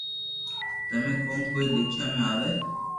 ٿني ڪون ڪوئي ديکيا ۾ آوي